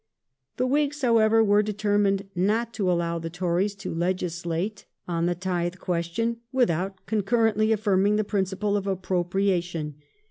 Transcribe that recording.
The Whigs, however, were determined not to allow the Tories to legislate on the tithe question without concurrently affirming the principle of appropriation.